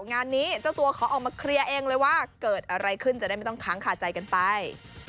งานนี้เจ้าตัวขอออกมาเคลียร์เองเลยว่าเกิดอะไรขึ้นจะได้ไม่ต้องค้างคาใจกันไป